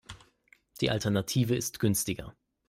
Die Alternative ist günstiger.